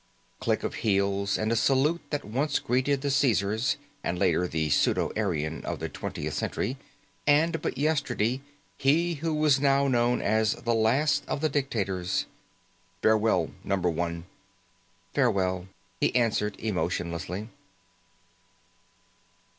Click of heels and a salute that once greeted the Caesars, and later the pseudo Aryan of the 20th Century, and, but yesterday, he who was now known as the last of the dictators. "Farewell, Number One!" "Farewell," he answered emotionlessly.